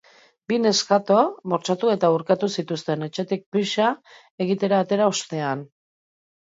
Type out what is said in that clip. Bi neskato bortxatu eta urkatu zituzten, etxetik pixa egitera atera ostean.